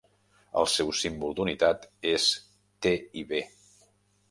El seu símbol d'unitat és TiB.